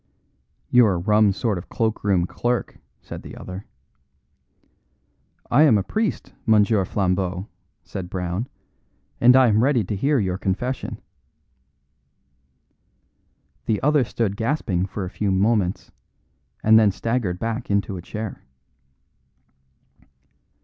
"You're a rum sort of cloak room clerk," said the other. "I am a priest, Monsieur Flambeau," said Brown, "and I am ready to hear your confession." The other stood gasping for a few moments, and then staggered back into a chair.